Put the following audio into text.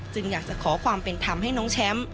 อยากจะขอความเป็นธรรมให้น้องแชมป์